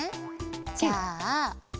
じゃあ。